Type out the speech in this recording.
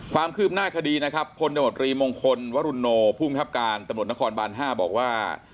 ความคืบหน้าคดีคนโดยมตรีมงคลวรุณโนผู้มีคาบการตนบ๕บอกว่า